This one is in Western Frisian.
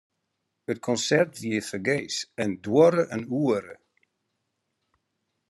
It konsert wie fergees en duorre in oere.